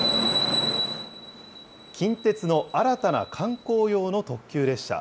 近鉄の新たな観光用の特急列車。